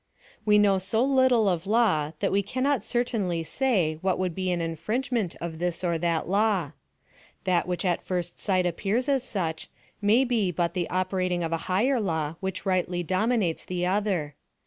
We know so little of law that we cannot certainly say what would be an infringement of this or that law. That which at first sight appears as such, may be but the operating of a higher law which rightly dominates the other.